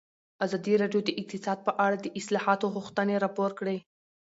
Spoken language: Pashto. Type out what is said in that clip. ازادي راډیو د اقتصاد په اړه د اصلاحاتو غوښتنې راپور کړې.